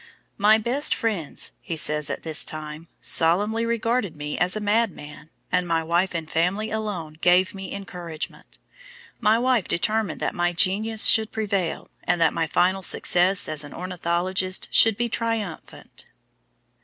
"My best friends," he says at this time, "solemnly regarded me as a mad man, and my wife and family alone gave me encouragement. My wife determined that my genius should prevail, and that my final success as an ornithologist should be triumphant."